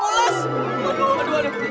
waduh ancur dah